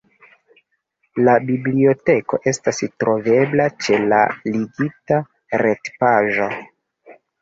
La biblioteko estas trovebla ĉe la ligita retpaĝo.